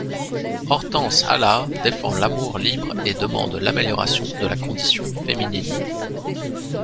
Hortense Allart défend l’amour libre et demande l’amélioration de la condition féminine.